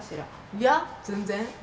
いや全然。